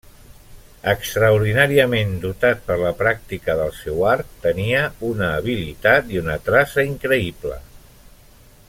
Extraordinàriament dotat per la pràctica del seu art, tenia una habilitat i una traça increïble.